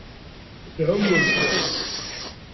Tɛumemt.